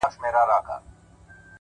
زما د ښار ځوان،